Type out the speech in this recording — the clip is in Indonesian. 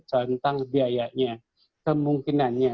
contang biayanya kemungkinannya